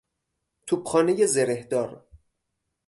توپخانهی زرهدار